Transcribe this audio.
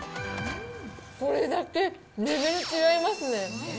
これだけレベル違いますね。